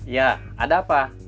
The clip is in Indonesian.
ya ada apa